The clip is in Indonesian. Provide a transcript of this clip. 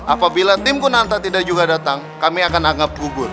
apabila tim kunanta tidak juga datang kami akan anggap gugur